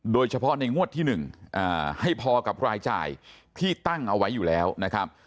โดยเฉพาะในงวดที่๑ให้พอกับรายจ่ายที่ตั้งเอาไว้อยู่แล้วนะครับ